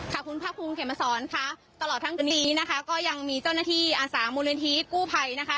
คุณพระคุณเขมสอนค่ะตลอดทั้งวันนี้นะคะก็ยังมีเจ้าหน้าที่อาศัยมูลนินทรีย์กู้ไภนะคะ